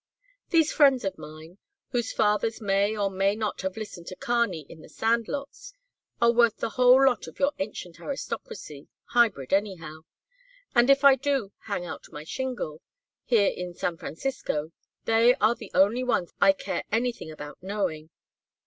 These friends of mine, whose fathers may or may not have listened to Kearney in the Sand lots, are worth the whole lot of your ancient aristocracy hybrid, anyhow and if I do 'hang out my shingle' here in San Francisco, they are the only ones I care anything about knowing.